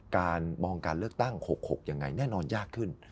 การมองการเลือกตั้ง๖๖ยังไงแน่นอนยากขึ้น